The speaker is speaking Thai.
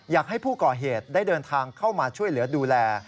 อยากให้ผู้ก่อเหตุได้เดินทางเข้ามาช่วยเหลือดูแล